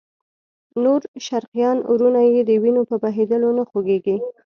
نور شرقیان وروڼه یې د وینو په بهېدلو نه خوږېږي.